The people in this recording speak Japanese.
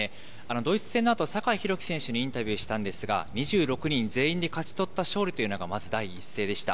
ドイツ戦のあと酒井宏樹選手にインタビューしたんですが、２６人全員で勝ち取った勝利というのがまず第一声でした。